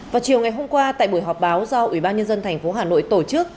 vào chiều ngày hôm qua tại buổi họp báo do ủy ban nhân dân tp hà nội tổ chức